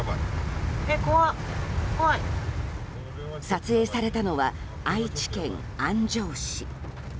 撮影されたのは愛知県安城市。